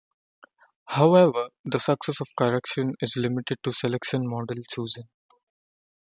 However, the success of the correction is limited to the selection model chosen.